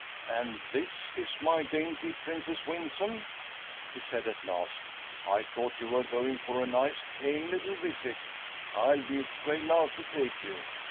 "And this is my dainty Princess Winsome," he said at last. "I thought you were going for a nice, tame little visit. I'll be afraid now to take you.